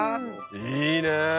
いいねぇ。